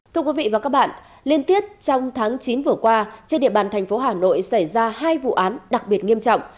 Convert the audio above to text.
thưa quý vị và các bạn liên tiếp trong tháng chín vừa qua trên địa bàn thành phố hà nội xảy ra hai vụ án đặc biệt nghiêm trọng